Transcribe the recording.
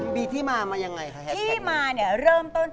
พี่แม่จะบอกก่อน